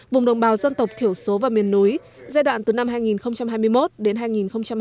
vùng đồng bào dân tộc thiểu số và miền núi giai đoạn từ năm hai nghìn hai mươi một đến hai nghìn hai mươi năm